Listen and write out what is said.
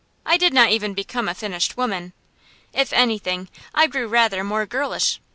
I did not even become a finished woman. If anything, I grew rather more girlish.